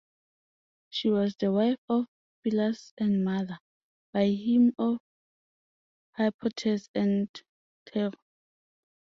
She was the wife of Phylas and mother, by him, of Hippotes and Thero.